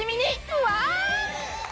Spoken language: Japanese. うわ！